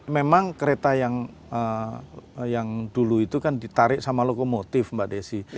memang kereta yang dulu itu kan ditarik sama lokomotif mbak desi